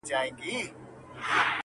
قدردانو کي مي ځان قدردان وینم,